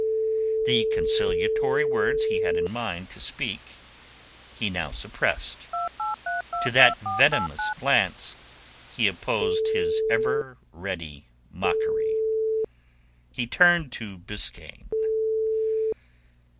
The conciliatory words he had in mind to speak he now suppressed. To that venomous glance he opposed his ever ready mockery. He turned to Biskaine.